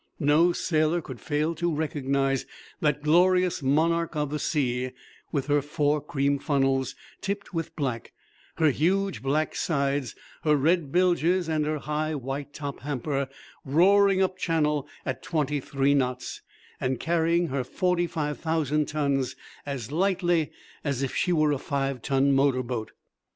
No sailor could fail to recognize that glorious monarch of the sea, with her four cream funnels tipped with black, her huge black sides, her red bilges, and her high white top hamper, roaring up Channel at twenty three knots, and carrying her forty five thousand tons as lightly as if she were a five ton motor boat.